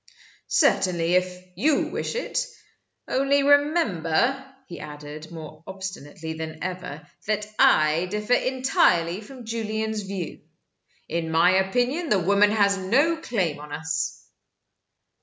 "Certainly if you wish it. Only remember," he added, more obstinately than ever, "that I differ entirely from Julian's view. In my opinion the woman has no claim on us."